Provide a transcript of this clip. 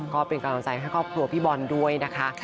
ก็เป็นกำลังใจให้ครอบครัวพี่บอลด้วยนะคะ